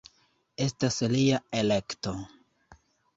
Estas lia elekto.